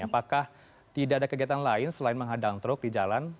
apakah tidak ada kegiatan lain selain menghadang truk di jalan